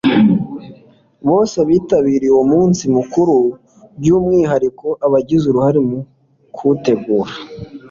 bose bitabiriye uwo munsi mukuru. by'umwihariko abagize uruhare mu kuwutegura